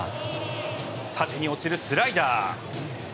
縦に落ちるスライダー。